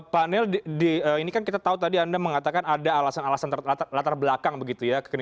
pak nel ini kan kita tahu tadi anda mengatakan ada alasan alasan latar belakang begitu ya